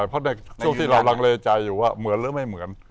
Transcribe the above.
เพราะในช่วงที่เราลังเลใจอยู่ว่าเหมือนหรือไม่เหมือน